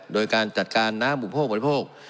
โดยการจัดการน้ำอุปโภคบริโภค